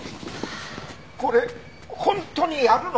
これ本当にやるの！？